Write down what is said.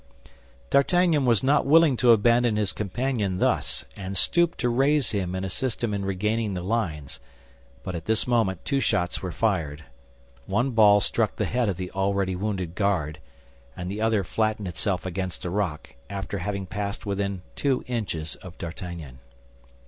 D'Artagnan was not willing to abandon his companion thus, and stooped to raise him and assist him in regaining the lines; but at this moment two shots were fired. One ball struck the head of the already wounded guard, and the other flattened itself against a rock, after having passed within two inches of D'Artagnan.